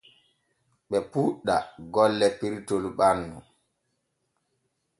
Ɓe puuɗɗa golle pirtol ɓannu.